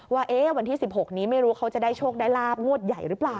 ว่าวันที่๑๖นี้ไม่รู้เขาจะได้โชคได้ลาบงวดใหญ่หรือเปล่า